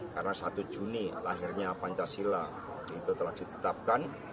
karena satu juni lahirnya pancasila itu telah ditetapkan